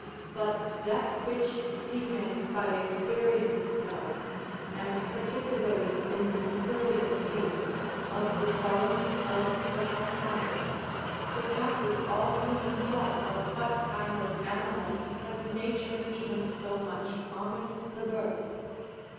But that which seamen by experience know, and particularly in the Sicilian Sea, of the quality of the halcyons, surpasses all human thought of what kind of animal has nature even so much honoured the birth?